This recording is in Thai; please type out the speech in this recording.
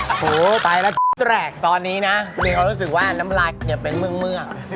โอ้โฮตายแล้วตอนนี้นะเดี๋ยวเขารู้สึกว่าน้ำลายเป็นเมือง